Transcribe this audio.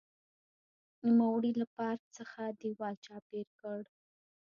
نوموړي له پارک څخه دېوال چاپېر کړ.